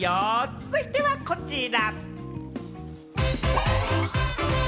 続いてはこちら。